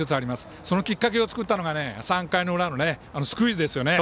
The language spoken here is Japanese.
そのきっかけを作ったのが３回裏のスクイズですよね。